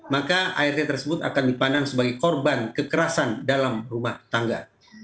maka art tersebut akan dipandang sebagai korban kekerasan dalam rumah tangga